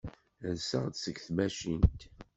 Rseɣ-d seg tmacint.